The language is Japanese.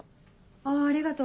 あありがとう。